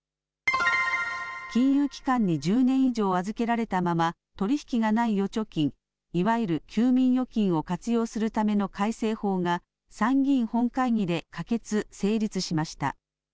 金融機関に１０年以上預けられたまま取り引きがない預貯金、いわゆる休眠預金を活用するための改正法が、参議院本会議で可決・成立しました。